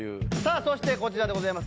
そしてこちらでございます